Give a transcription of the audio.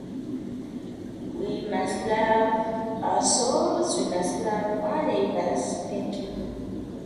Critics were generally positive or mixed in their reviews.